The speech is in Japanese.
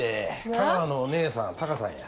香川のお姉さんタカさんや。